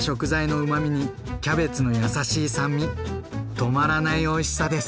止まらないおいしさです。